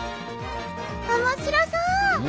おもしろそう！